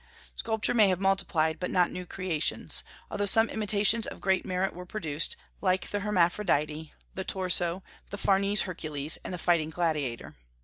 Sculpture may have multiplied, but not new creations; although some imitations of great merit were produced, like the Hermaphrodite, the Torso, the Farnese Hercules, and the Fighting Gladiator.